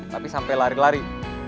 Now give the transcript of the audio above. tapi sampe lari lari